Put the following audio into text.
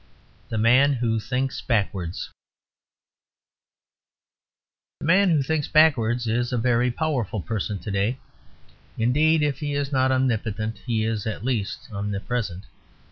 THE MAN WHO THINKS BACKWARDS The man who thinks backwards is a very powerful person to day: indeed, if he is not omnipotent, he is at least omnipresent.